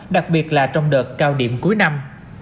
đặc biệt là trong đợt cao điểm cuối năm